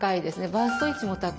バスト位置も高いです。